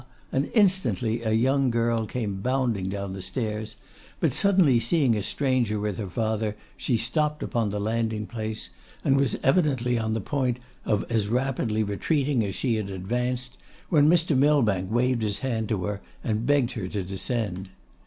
and instantly a young girl came bounding down the stairs, but suddenly seeing a stranger with her father she stopped upon the landing place, and was evidently on the point of as rapidly retreating as she had advanced, when Mr. Millbank waved his hand to her and begged her to descend.